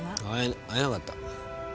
会えなかった。